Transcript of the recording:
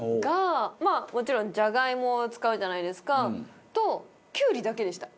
まあもちろんじゃがいもを使うじゃないですか。とキュウリだけでした。